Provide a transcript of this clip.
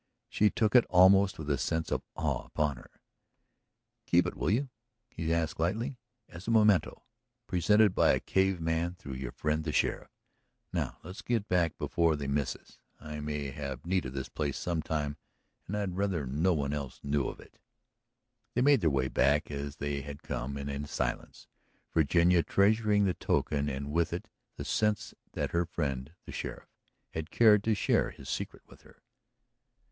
She took it almost with a sense of awe upon her. "Keep it, will you?" he asked lightly. "As a memento. Presented by a caveman through your friend the sheriff. Now let's get back before they miss us. I may have need of this place some time and I'd rather no one else knew of it." They made their way back as they had come and in silence, Virginia treasuring the token and with it the sense that her friend the sheriff had cared to share his secret with her.